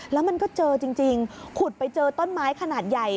แล้วมันก็เจอจริงขุดไปเจอต้นไม้ขนาดใหญ่